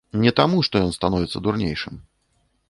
Не таму што ён становіцца дурнейшым.